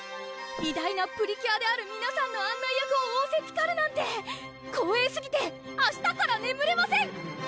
偉大なプリキュアである皆さんの案内役をおおせつかるなんて光栄すぎて明日からねむれません！